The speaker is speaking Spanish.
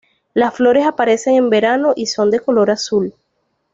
Las flores aparecen en verano, y son de color azul.